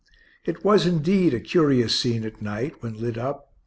It was, indeed, a curious scene at night when lit up.